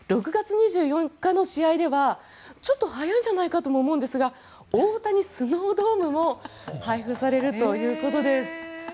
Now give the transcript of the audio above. ６月２４日の試合ではちょっと早いんじゃないかと思うんですが大谷スノードームも配布されるということです。